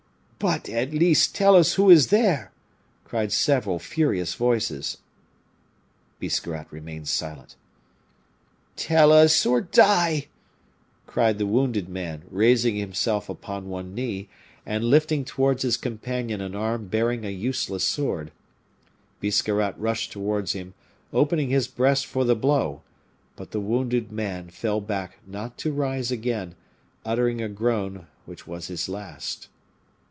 "But, at least, tell us who is there?" cried several furious voices. Biscarrat remained silent. "Tell us, or die!" cried the wounded man, raising himself upon one knee, and lifting towards his companion an arm bearing a useless sword. Biscarrat rushed towards him, opening his breast for the blow, but the wounded man fell back not to rise again, uttering a groan which was his last.